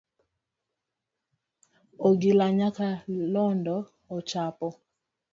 Ogila nyakalondo ochopo.